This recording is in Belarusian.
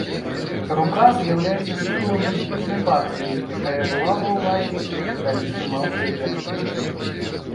Рука з'яўляецца сімвалам палітычнай партыі, якая была ва ўладзе калі прымаўся герб.